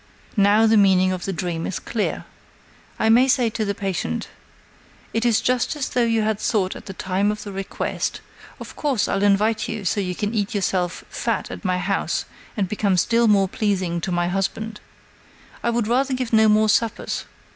Now the meaning of the dream is clear. I may say to the patient: "It is just as though you had thought at the time of the request: 'Of course, I'll invite you, so you can eat yourself fat at my house and become still more pleasing to my husband. I would rather give no more suppers.'